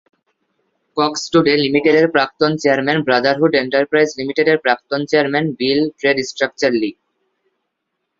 Cox Today লিমিটেডের প্রাক্তন chairman, brotherhood enterprise লিমিটেডের প্রাক্তন চেয়ারম্যান, বিল ট্রেড স্ট্রাকচার লি।